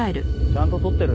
ちゃんと撮ってる？